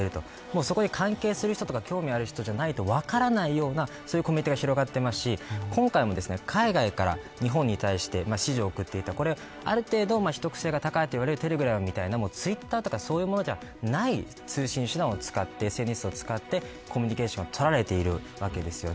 そこに関係する人とか興味がある人じゃないと分からないようなコメントが広がっていますし今回もですね、海外から日本に対して指示を送っていたある程度秘とく性が高いと言われるテレグラムやツイッターではない通信手段を使ってコミュニケーションが取られているわけです。